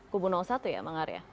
kubu satu ya bang arya